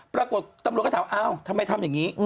ปรากฏตำรวจก็ถามทำไมทำแบบนี้